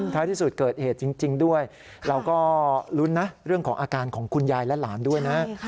ท้ายที่สุดเกิดเหตุจริงด้วย